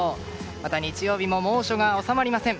また、日曜日も猛暑が収まりません。